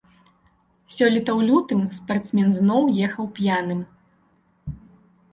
Сёлета ў лютым спартсмен зноў ехаў п'яным.